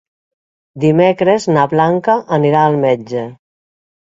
Dimecres na Blanca anirà al metge.